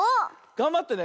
がんばってね。